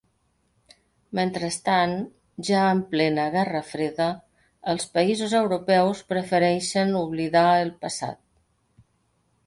Mentrestant, ja en plena guerra freda, els països europeus prefereixen oblidar el passat.